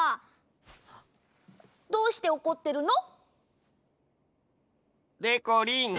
どうしておこってるの？でこりん